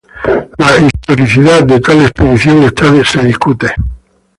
La historicidad de tal expedición está discutida.